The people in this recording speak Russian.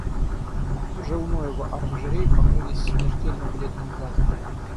Уже у Ноева оранжереи покрылись смертельно-бледным газом!